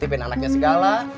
ngaktifin anaknya segala